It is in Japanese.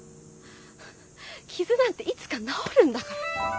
傷なんていつか治るんだから。